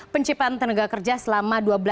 penciptaan tenaga kerja selama dua belas